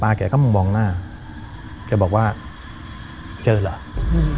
แกก็มึงมองหน้าแกบอกว่าเจอเหรออืม